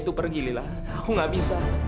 dengar ini ya